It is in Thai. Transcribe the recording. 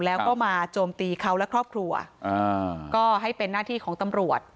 แล้วก็มาโจมตีเขาและครอบครัวก็ให้เป็นหน้าที่ของตำรวจ